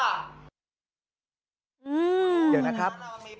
เดี๋ยวนะครับ